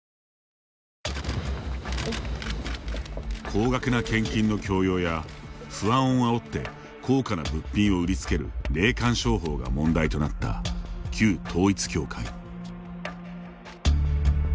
高額な献金の強要や不安をあおって高価な物品を売りつける霊感商法が問題となった旧統一教会。